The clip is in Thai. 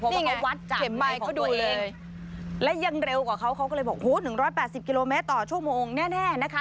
เพราะว่าเขาวัดเข็มไม้เขาดูเลยและยังเร็วกว่าเขาเขาก็เลยบอกโอ้โหหนึ่งร้อยแปดสิบกิโลเมตรต่อชั่วโมงแน่แน่นะคะ